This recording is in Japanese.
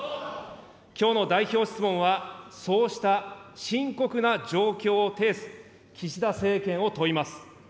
きょうの代表質問は、そうした深刻な状況を呈す岸田政権を問います。